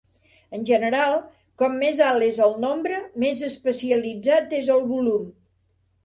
En general, com més alt és el nombre, més especialitzat és el volum.